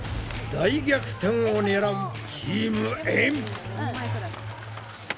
大逆転を狙うチームエん。